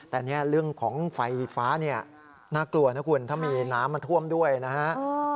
แต่เนี่ยเรื่องของไฟฟ้าเนี่ยน่ากลัวนะคุณถ้ามีน้ำมันท่วมด้วยนะฮะ